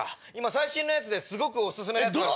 最新のやつですごくお薦めの。